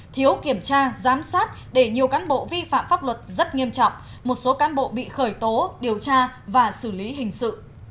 thiếu kiểm tra giám sát để nhiều cán bộ vi phạm pháp luật rất nghiêm trọng một số cán bộ bị khởi tố điều tra và xử lý hình sự